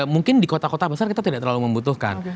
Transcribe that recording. mungkin di kota kota besar kita tidak terlalu membutuhkan